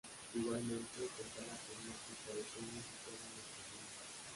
Igualmente, contaba con una pista de tenis situada en los jardines.